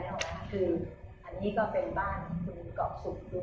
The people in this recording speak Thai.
หรือเป็นอะไรที่คุณต้องการให้ดู